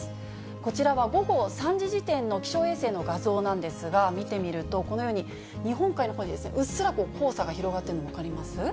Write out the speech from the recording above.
こちらは午後３時時点の気象衛星の画像なんですが、見てみるとこのように日本海のほうにうっすら黄砂が広がっているの、分かります？